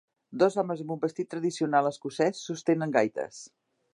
Dos homes amb un vestit tradicional escocès sostenen gaites.